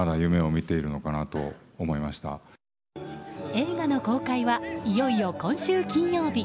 映画の公開はいよいよ今週金曜日。